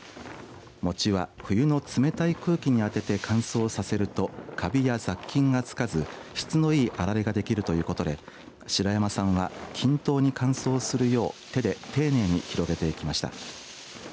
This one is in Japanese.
もちは冬の冷たい空気に当てて乾燥させるとカビや雑菌がつかず質のいいあられができるということで白山さんは均等に乾燥するよう手で丁寧に広げていきました。